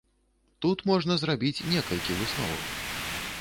Тут можна зрабіць некалькі высноваў.